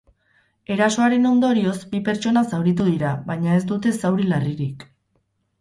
Erasoaren ondorioz, bi pertsona zauritu dira, baina ez dute zauri larririk.